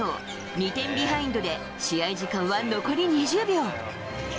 ２点ビハインドで試合時間は残り２０秒。